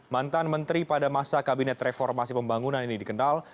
mantan menteri pada masa kabinet reformasi pembangunan ini dikenal